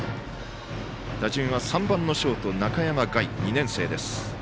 打順は３番、ショート中山凱、２年生です。